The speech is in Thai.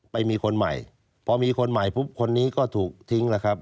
ไปมีคนใหม่พอมีคนใหม่ปุ๊บคนนี้ก็ถูกทิ้งแล้วครับ